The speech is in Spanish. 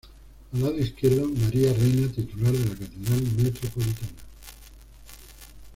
Al lado izquierdo, María Reina, titular de la Catedral Metropolitana.